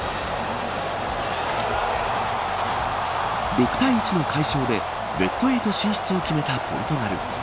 ６対１の快勝でベスト８進出を決めたポルトガル。